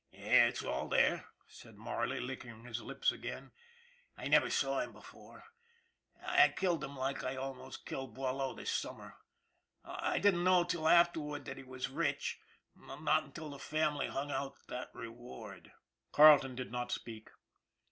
" It's all there," said Marley, licking his lips again. " I never saw him before. I killed him like I almost killed Boileau this summer. I didn't know till after ward that he was rich, not until the family hung out that reward." Carleton did not speak.